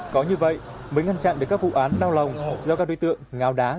có như vậy mới ngăn chặn được các vụ án đau lòng do các đối tượng ngào đá gây ra